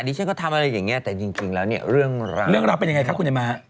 ฉันก็ทำอะไรอย่างนี้แต่จริงแล้วเนี่ยเรื่องราวเป็นยังไงคะคุณไอ้ม้า